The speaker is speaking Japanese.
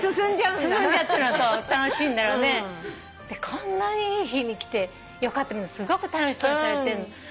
「こんなにいい日に来てよかった」ってすごく楽しそうにされてるの。